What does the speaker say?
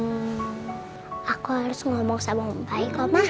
hmm aku harus ngomong sama mbaik om mbak